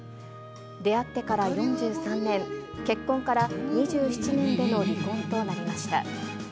出会ってから４３年、結婚から２７年での離婚となりました。